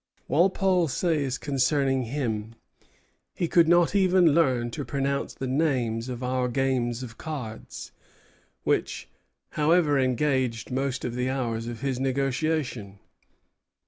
Walpole says concerning him: "He could not even learn to pronounce the names of our games of cards, which, however, engaged most of the hours of his negotiation.